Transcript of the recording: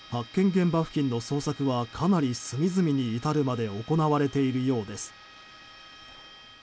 現場付近の捜索はかなり隅々に至るまで行われているようです。